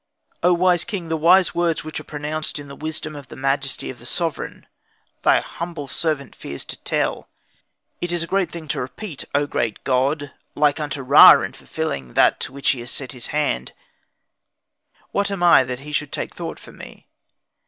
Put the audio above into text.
"O wise king, the wise words which are pronounced in the wisdom of the majesty of the sovereign, thy humble servant fears to tell. It is a great thing to repeat. O great God, like unto Ra in fulfilling that to which he has set his hand, what am I that he should take thought for me?